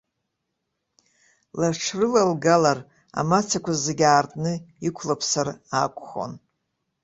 Лыҽрылалгалар, амацақәа зегьы аартны иқәлыԥсар акәхон.